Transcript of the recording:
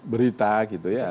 berita gitu ya